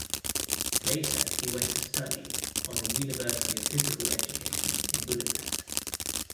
Later he went to study on the University of Physical Education in Budapest.